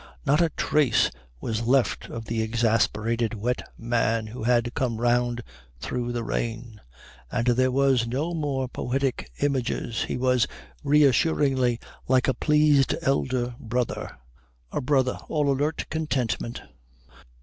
Not a trace was left of the exasperated wet man who had come round through the rain, and there were no more poetic images. He was reassuringly like a pleased elder brother, a brother all alert contentment.